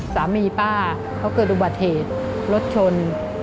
สามีป้าเขาเกิดอุบัติเหตุรถชน